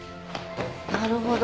なるほど。